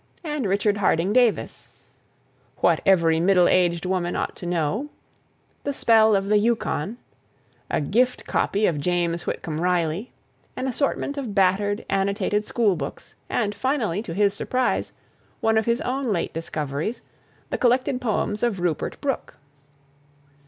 and Richard Harding Davis; "What Every Middle Aged Woman Ought to Know," "The Spell of the Yukon"; a "gift" copy of James Whitcomb Riley, an assortment of battered, annotated schoolbooks, and, finally, to his surprise, one of his own late discoveries, the collected poems of Rupert Brooke.